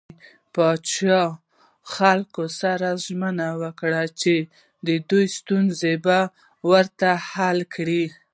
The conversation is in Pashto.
پاچا خلکو سره ژمنه وکړه چې د دوي ستونزې به ورته حل کوي .